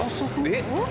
えっ！？